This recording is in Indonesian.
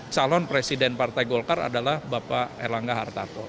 calon presiden partai golkar adalah bapak erlangga hartarto